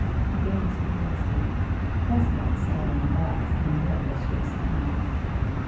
He danced nervously. Trescott sat on a box, and devilishly smiled.